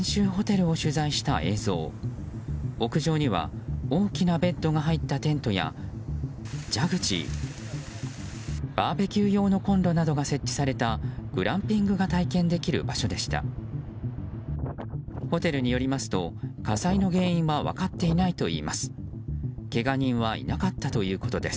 ホテルによりますと火災の原因は分かっていないといいます。